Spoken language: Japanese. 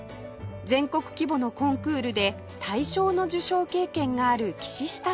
全国規模のコンクールで大賞の受賞経験がある岸下さん